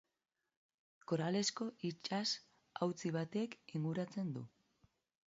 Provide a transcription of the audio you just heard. Koralezko itsas hautsi batek inguratzen du.